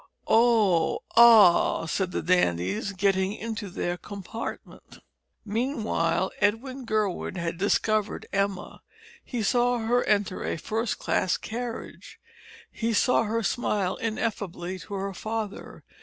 "O ah!" said the dandies, getting into their compartment. Meanwhile, Edwin Gurwood had discovered Emma. He saw her enter a first class carriage. He saw her smile ineffably to her father.